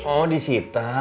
oh di sita